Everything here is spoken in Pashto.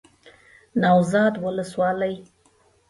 نوزاد ولسوالۍ